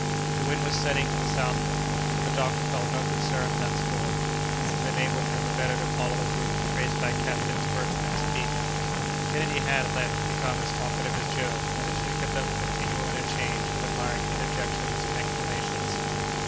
The wind was setting to the southward, but the doctor felt no concern on that score, since it enabled him the better to follow the route traced by Captains Burton and Speke. Kennedy had, at length, become as talkative as Joe, and the two kept up a continual interchange of admiring interjections and exclamations.